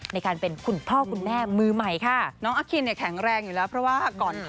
ในการเป็นคุณพ่อคุณแม่มือใหม่ค่ะ